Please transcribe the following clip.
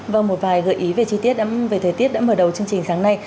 vâng một vài gợi ý về chi tiết về thời tiết đã mở đầu chương trình sáng nay